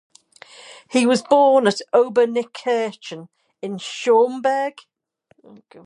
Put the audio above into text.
He was born at Obernkirchen in Schaumburg.